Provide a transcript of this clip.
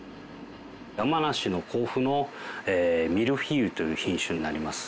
山梨の甲府のミルフィーユという品種になります。